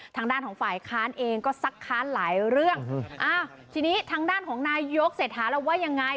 ทางด้านของฝ่ายค้านเองก็ซักค้านหลายเรื่องอ้าวทีนี้ทางด้านของนายยกเศรษฐาเราว่ายังไง